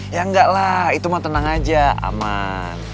ya enggak lah itu mau tenang aja aman